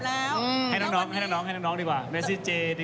แล้วจากปัญชาอ่ะค่ะงั้นเราเป็นแพภทแล้ว